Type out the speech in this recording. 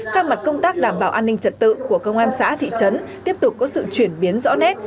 các mặt công tác đảm bảo an ninh trật tự của công an xã thị trấn tiếp tục có sự chuyển biến rõ nét